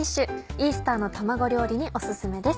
イースターの卵料理にオススメです。